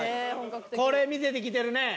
これ見せてきてるね。